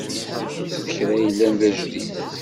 D kra yellan d ajdid.